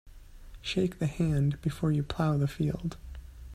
Shake the hand before you plough the field.